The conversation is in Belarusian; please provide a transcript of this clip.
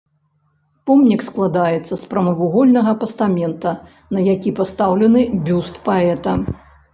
Помнік складаецца з прамавугольнага пастамента, на які пастаўлены бюст паэта.